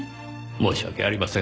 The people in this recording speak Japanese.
申し訳ありません